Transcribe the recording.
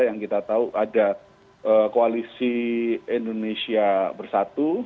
yang kita tahu ada koalisi indonesia bersatu